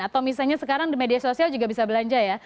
atau misalnya sekarang di media sosial juga bisa belanja ya